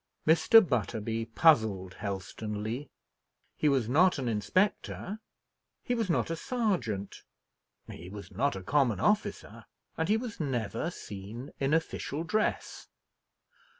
Mr. Butterby puzzled Helstonleigh. He was not an inspector, he was not a sergeant, he was not a common officer, and he was never seen in official dress.